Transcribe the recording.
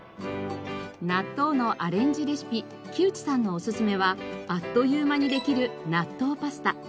納豆のアレンジレシピ木内さんのおすすめはあっという間にできる納豆パスタ。